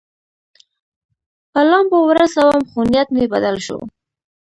په لامبو ورسوم، خو نیت مې بدل شو.